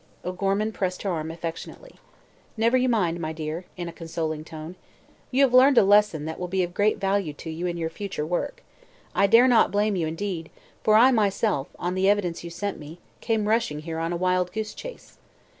O'Gorman pressed her arm affectionately. "Never you mind, my dear," in a consoling tone; "you have learned a lesson that will be of great value to you in your future work. I dare not blame you, indeed, for I myself, on the evidence you sent me, came rushing here on a wild goose chase.